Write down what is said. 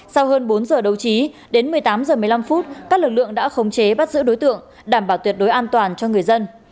sau hơn bốn giờ đấu trí đến một mươi tám h một mươi năm phút các lực lượng đã khống chế bắt giữ đối tượng đảm bảo tuyệt đối an toàn cho người dân